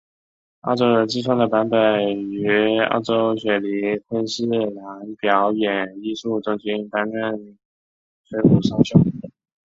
澳洲人自创的版本于澳洲雪梨昆士兰表演艺术中心担任崔普上校。